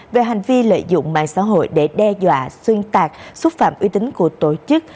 về hành vi lợi dụng mạng xã hội để đe dọa xuyên tạc xúc phạm uy tín của tổ chức